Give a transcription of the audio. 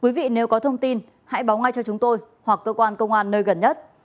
quý vị nếu có thông tin hãy báo ngay cho chúng tôi hoặc cơ quan công an nơi gần nhất